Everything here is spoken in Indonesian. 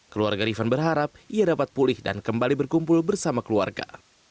keluarga rifan berharap ia dapat pulih dan kembali berkumpul bersama keluarga